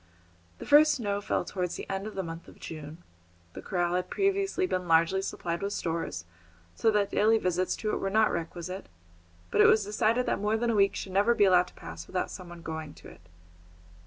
The first snow fell towards the end of the month of June. The corral had previously been largely supplied with stores, so that daily visits to it were not requisite; but it was decided that more than a week should never be allowed to pass without some one going to it.